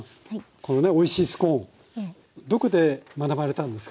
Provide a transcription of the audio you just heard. このねおいしいスコーンどこで学ばれたんですか？